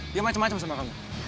dia macem macem sama kamu